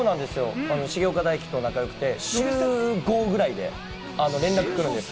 重岡大毅と仲良くて、週５ぐらいで連絡くるんです。